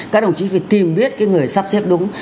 các đồng chí phải tìm biết người sắp xếp đúng